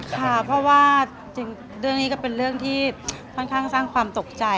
ค่ะเพราะว่าจริงเรื่องนี้ก็เป็นเรื่องที่ค่อนข้างสร้างความตกใจ